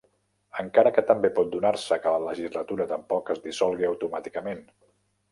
Encara que també pot donar-se que la legislatura tampoc es dissolgui automàticament.